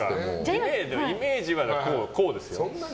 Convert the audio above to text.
イメージはこうですよ。